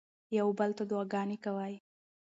یو بل ته دعاګانې کوئ.